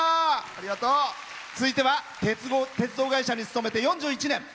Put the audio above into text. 続いては鉄道会社に勤めて４１年。